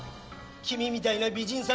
君みたいな美人さん